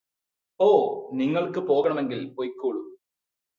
പോ നിങ്ങള്ക്ക് പോകണമെങ്കില് പൊയ്ക്കോളൂ